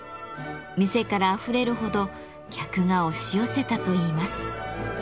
店からあふれるほど客が押し寄せたといいます。